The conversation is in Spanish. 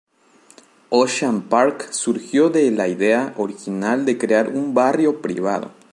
Ocean Park surgió de la idea original de crear un barrio privado.